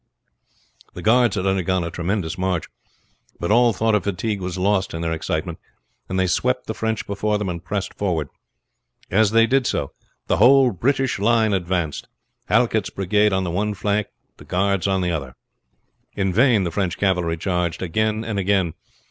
The guards had undergone a tremendous march; but all thought of fatigue was lost in their excitement, and they swept the French before them and pressed forward. As they did so the whole British line advanced, Halket's brigade on the one flank the guards on the other. In vain the French cavalry charged again and again.